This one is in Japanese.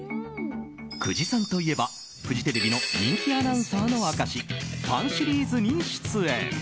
久慈さんといえば、フジテレビの人気アナウンサーの証し「パン」シリーズに出演。